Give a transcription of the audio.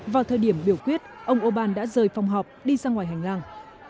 vào thời điểm biểu quyết ông orbán đã rời phòng họp đi ra ngoài hành lang